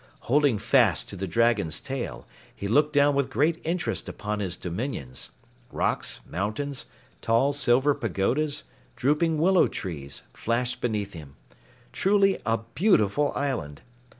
Holding fast to the dragon's tail, he looked down with great interest upon his dominions. Rocks, mountains, tall silver pagodas, drooping willow trees, flashed beneath him. Truly a beautiful island!